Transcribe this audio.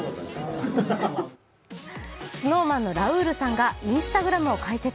ＳｎｏｗＭａｎのラウールさんがＩｎｓｔａｇｒａｍを開設。